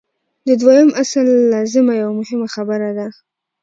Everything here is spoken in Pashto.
د دویم اصل لازمه یوه مهمه خبره ده.